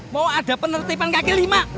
mau ada penertiban kaki lima